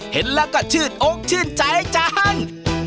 เห็นแล้วก็ชื่นอกชื่นใจจัง